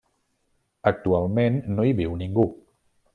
Actualment no hi viu ningú.